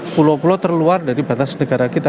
pulau pulau terluar dari batas negara kita